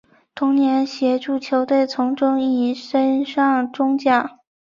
同年协助球队从中乙升上中甲。